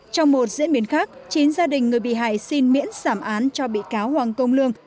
trong một diễn biến khác chín gia đình người bị hại xin miễn giảm án cho bị cáo hoàng công lương